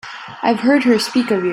I've heard her speak of you.